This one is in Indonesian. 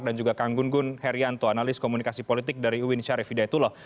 dan juga kang gunggun herianto analis komunikasi politik dari uwin syarif hidayatullah